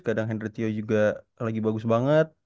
kadang hendretio juga lagi bagus banget